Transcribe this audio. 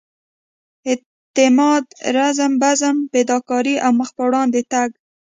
اعتماد رزم بزم فداکارۍ او مخ پر وړاندې تګ.